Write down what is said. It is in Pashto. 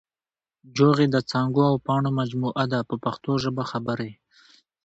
جوغې د څانګو او پاڼو مجموعه ده په پښتو ژبه خبرې.